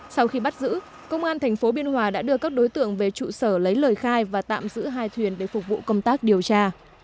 sau khi bắt giữ công an tp biên hòa đã đưa các đối tượng về trụ sở lấy lời khai và tạm giữ hai thuyền để phục vụ công tác điều tra